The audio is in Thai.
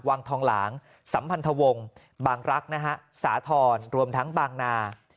วังทองหลางสัมพันธวงศ์บางรักนะฮะสาธรณ์รวมทั้งบางนา